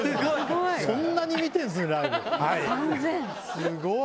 すごい。